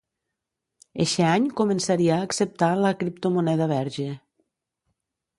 Eixe any començaria a acceptar la criptomoneda Verge.